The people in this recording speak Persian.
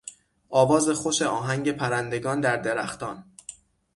آواز خوش آهنگ پرندگان در درختان